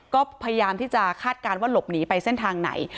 ก็พยายามที่จะคาดการณ์ว่าหลบหนีไปเส้นทางไหน